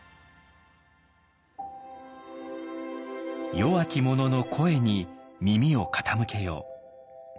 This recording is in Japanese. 弱き者の声に耳を傾けよう。